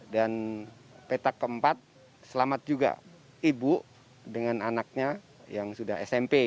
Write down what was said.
dan petak keempat selamat juga ibu dengan anaknya yang sudah smp